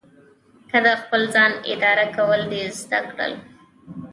که د خپل ځان اداره کول دې زده کړل.